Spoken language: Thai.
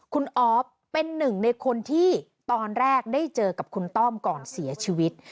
คุณออฟเป็นหนึ่งในคนที่ตอนแรกได้เจอกับคุณต้อมก่อนเสียชีวิต